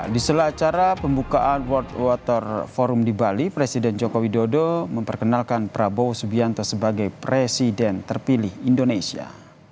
di sela acara pembukaan world water forum di bali presiden joko widodo memperkenalkan prabowo subianto sebagai presiden terpilih indonesia